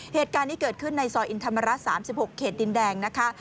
เหตุการณ์นี้เกิดขึ้นในซอยอินธรรมระ๓๖เขตดินแดงนะคะ